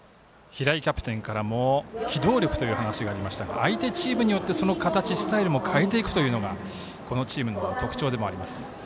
平井キャプテンからも機動力という話がありましたが相手チームによってその形スタイルも変えていくというのがこのチームの特徴でもあります。